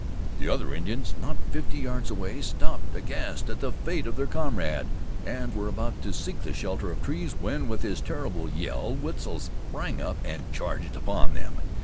The other Indians, not fifty yards away, stopped aghast at the fate of their comrade, and were about to seek the shelter of trees when, with his terrible yell, Wetzel sprang up and charged upon them.